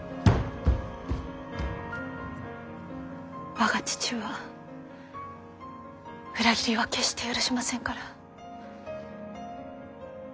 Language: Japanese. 我が父は裏切りは決して許しませんから。